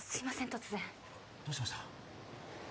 突然どうしました？